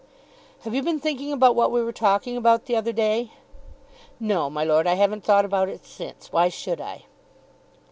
"Have you been thinking about what we were talking about the other day?" "No, my lord, I haven't thought about it since. Why should I?"